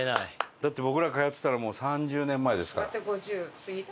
だって僕ら通ってたのもう３０年前ですから。